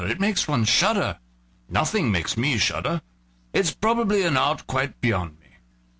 it makes one shudder! Nothing makes me shudder. It's probably an art quite beyond me."